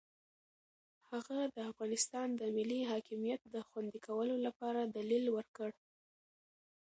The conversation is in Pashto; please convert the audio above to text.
هغه د افغانستان د ملي حاکمیت د خوندي کولو لپاره دلیل ورکړ.